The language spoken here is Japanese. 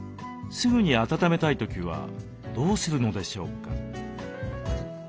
すぐに温めたい時はどうするのでしょうか？